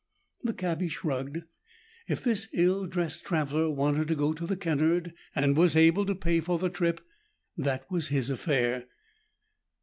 The cabbie shrugged; if this ill dressed traveler wanted to go to the Kennard, and was able to pay for the trip, that was his affair.